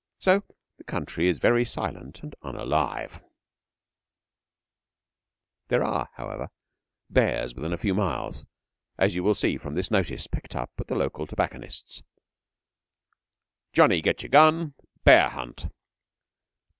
So the country is very silent and unalive. There are, however, bears within a few miles, as you will see from this notice, picked up at the local tobacconist's: JOHNNY GET YOUR GUN! BEAR HUNT!